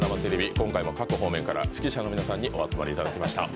今回も各方面から識者の皆さんにお集まりいただきました。